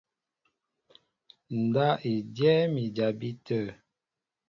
Ndáp i dyɛ́ɛ́m i jabí tə̂.